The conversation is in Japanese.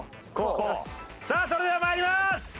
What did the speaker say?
さあそれでは参ります！